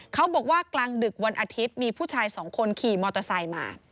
กลางดึกวันอาทิตย์มีผู้ชายสองคนขี่มอเตอร์ไซค์มา